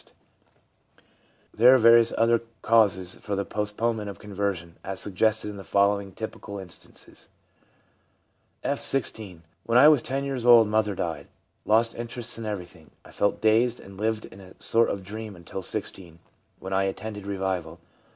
THE AGE OF CONVERSION 47 There are various other causes for the postponement of conversion, as suggested in the following typical instances :— R, 16. ' When I was 10 years old mother died. I lost interest in everything ; I felt dazed and lived in a sort of dream until 16, when I attended revival.